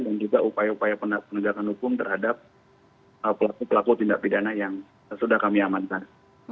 dan juga upaya upaya penegakan hukum terhadap pelaku tindak pidana yang sudah kami amankan